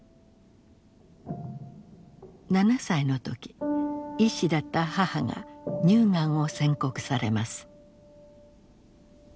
７歳の時医師だった母が乳がんを宣告されます。